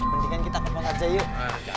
mendingan kita kepot aja yuk